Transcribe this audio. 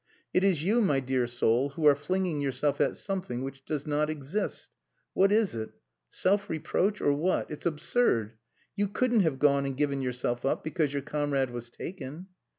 "It is you, my dear soul, who are flinging yourself at something which does not exist. What is it? Self reproach, or what? It's absurd. You couldn't have gone and given yourself up because your comrade was taken."